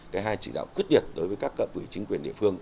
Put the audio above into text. thứ hai là trị đạo quyết định đối với các cận quỷ chính quyền địa phương